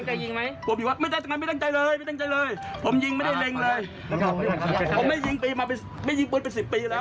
จะบอกเขาว่าจะจูลก่อน